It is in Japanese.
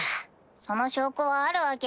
その証拠はあるわけ？